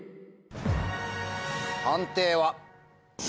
判定は？